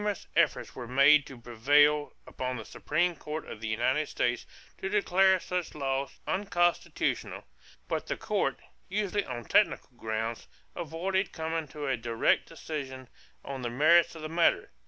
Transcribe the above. = Numerous efforts were made to prevail upon the Supreme Court of the United States to declare such laws unconstitutional; but the Court, usually on technical grounds, avoided coming to a direct decision on the merits of the matter.